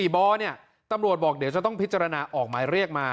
บตำรวจบอกเดี๋ยวจะต้องพิจารณาออกหมายเรียกมา